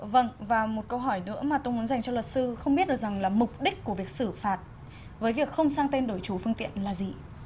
vâng và một câu hỏi nữa mà tôi muốn dành cho luật sư không biết được rằng là mục đích của việc xử phạt với việc không sang tên đổi chủ phương tiện là gì